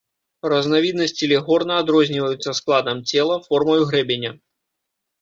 Разнавіднасці легорна адрозніваюцца складам цела, формаю грэбеня.